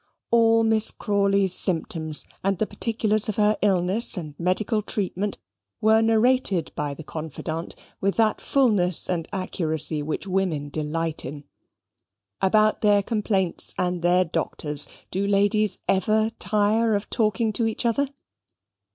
All Miss Crawley's symptoms, and the particulars of her illness and medical treatment, were narrated by the confidante with that fulness and accuracy which women delight in. About their complaints and their doctors do ladies ever tire of talking to each other?